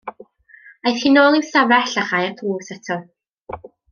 Aeth hi nôl i'w stafell a chau'r drws eto.